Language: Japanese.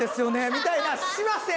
みたいなしません！